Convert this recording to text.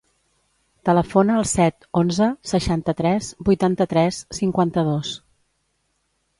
Telefona al set, onze, seixanta-tres, vuitanta-tres, cinquanta-dos.